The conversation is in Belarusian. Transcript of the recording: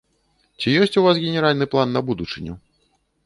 Ці ёсць у вас генеральны план на будучыню?